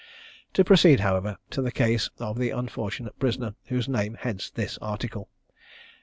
To proceed, however, to the case of the unfortunate prisoner whose name heads this article.